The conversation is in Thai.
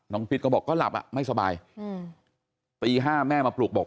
น้องพีชก็บอกก็หลับอ่ะไม่สบายอืมปีห้าแม่มาปลูกบอก